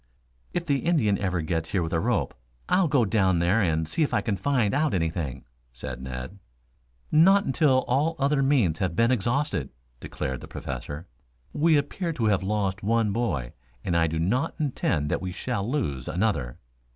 "If the Indian ever gets here with a rope, I'll go down there and see if I can find out anything," said Ned. "Not until all other means have been exhausted," declared the Professor. "We appear to have lost one boy, and I do not intend that we shall lose another."